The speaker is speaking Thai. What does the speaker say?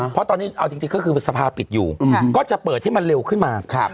เพราะตอนนี้เอาจริงก็คือสภาปิดอยู่ก็จะเปิดให้มันเร็วขึ้นมา